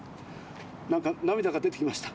なんかなみだがでてきました。